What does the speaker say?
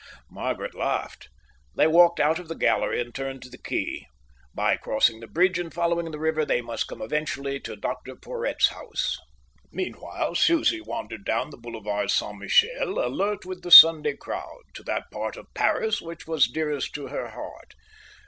Margaret laughed. They walked out of the gallery and turned to the quay. By crossing the bridge and following the river, they must come eventually to Dr. Porhoët's house. Meanwhile Susie wandered down the Boulevard Saint Michel, alert with the Sunday crowd, to that part of Paris which was dearest to her heart.